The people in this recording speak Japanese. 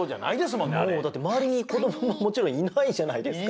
もうだってまわりにこどももちろんいないじゃないですか。